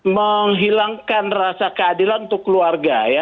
menghilangkan rasa keadilan untuk keluarga ya